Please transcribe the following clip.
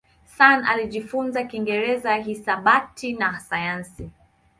Sun alijifunza Kiingereza, hisabati na sayansi.